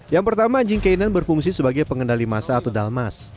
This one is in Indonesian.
yang pertama anjing k sembilan berfungsi sebagai pengendali masa atau dalmas